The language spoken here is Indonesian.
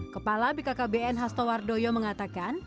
kepala bkkbn hastowardoyo mengatakan